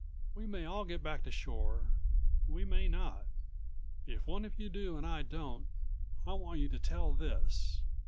We may all get back to shore. We may not. If one of you do and I don't, I want you to tell this.